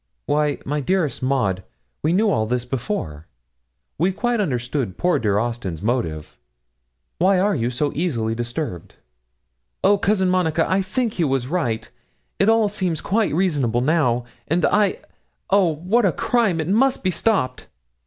Why, my dearest Maud, we knew all this before. We quite understood poor dear Austin's motive. Why are you so easily disturbed?' 'Oh, Cousin Monica, I think he was right; it all seems quite reasonable now; and I oh, what a crime! it must be stopped.'